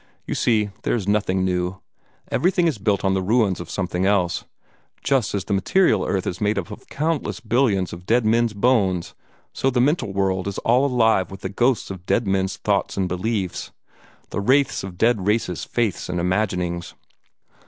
You see, there is nothing new. Everything is built on the ruins of something else. Just as the material earth is made up of countless billions of dead men's bones, so the mental world is all alive with the ghosts of dead men's thoughts and beliefs, the wraiths of dead races' faiths and imaginings."